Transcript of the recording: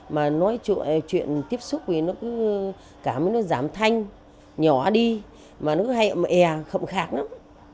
mà nói chuyện tiếp xúc thì nó cứ cảm thấy nó giảm thanh nhỏ đi mà nó hay ẻ khẩm khạc lắm